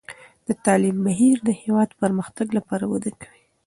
د تعلیم بهیر د هېواد د پرمختګ لپاره وده ورکوي.